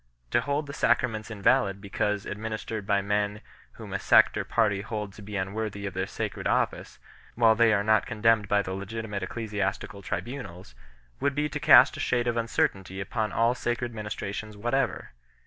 To hold the sacraments invalid because administered by men whom a sect or party hold to be unworthy of their sacred office, while they are not condemned by the legitimate ecclesiastical tribunals, would be to cast a shade of uncertainty upon all sacred ministrations whatever.